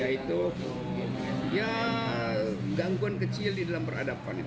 yaitu gangguan kecil di dalam peradaban